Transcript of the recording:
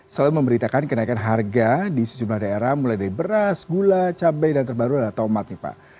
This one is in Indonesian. selalu memberitakan kenaikan harga di sejumlah daerah mulai dari beras gula cabai dan terbaru ada tomat nih pak